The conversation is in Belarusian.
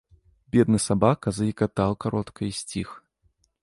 Бедны сабака заекатаў каротка і сціх.